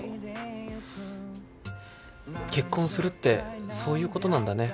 結婚するってそういうことなんだね。